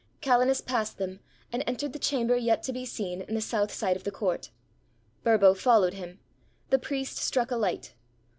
Calenus passed them, and entered the chamber yet to be seen in the south side of the court. Burbo followed him — the priest struck a light.